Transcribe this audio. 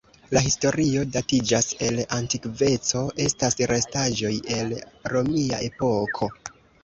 La historio datiĝas el antikveco, estas restaĵoj el romia epoko.